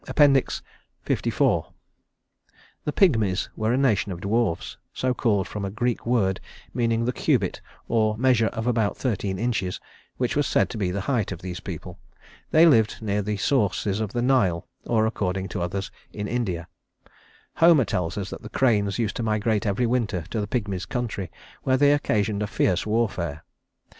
LIV The Pygmies were a nation of dwarfs, so called from a Greek word meaning the cubit or measure of about thirteen inches, which was said to be the height of these people. They lived near the sources of the Nile, or, according to others, in India. Homer tells us that the cranes used to migrate every winter to the Pygmies' country, where they occasioned a fierce warfare.